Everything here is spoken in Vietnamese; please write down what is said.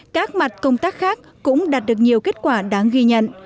các mặt công tác khác cũng đạt được nhiều kết quả đáng ghi nhận